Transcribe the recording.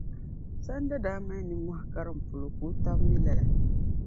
Sanda daa mali nimmohi karim polo ka o taba mi lala.